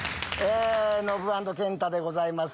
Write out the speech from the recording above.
ノブ＆健太でございます。